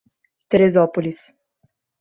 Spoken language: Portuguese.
Teresópolis